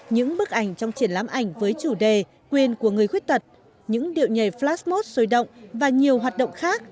những bức ảnh trong triển lãm ảnh với chủ đề quyền của người khuyết tật những điệu nhảy flasmot sôi động và nhiều hoạt động khác